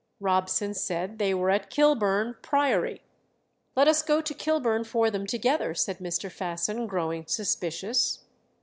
Robson said they were at Kilburn Priory. "Let us go to Kilburn for them together," said Mr. Fasson, growing suspicious.